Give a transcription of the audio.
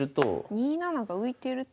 ２七が浮いてると。